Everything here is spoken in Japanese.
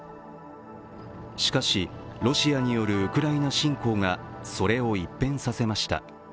しかし、ロシアによるウクライナ侵攻がそれを一変させました。